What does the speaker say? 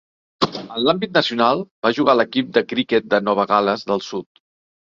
En l'àmbit nacional, va jugar a l'equip de criquet de Nova Gal·les del Sud.